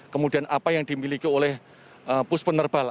kemudian apa yang dimiliki oleh pus penerbal